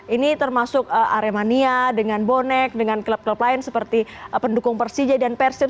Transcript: ini termasuk aremania dengan bonek dengan klub klub lain seperti pendukung persija dan persib